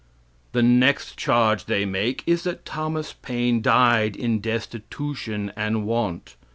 The next charge they make is that Thomas Paine died in destitution and want.